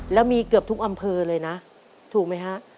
แล้วมีเกือบทุกอำเภอเลยนะถูกไหมฮะ